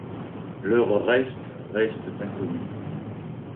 Leurs restes restent inconnus.